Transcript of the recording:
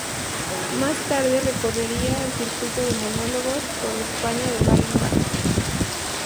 Más tarde recorrería el circuito de monólogos por España de bar en bar.